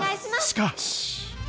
しかし。